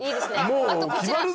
あとこちら。